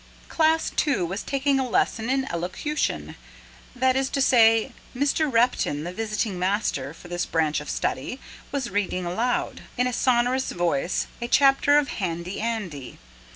Class Two was taking a lesson in elocution: that is to say Mr. Repton, the visiting master for this branch of study, was reading aloud, in a sonorous voice, a chapter of HANDY ANDY.